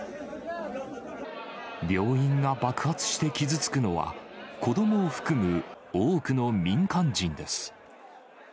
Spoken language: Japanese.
病院が爆発して傷つくのは、子どもを含む多くの民間人です。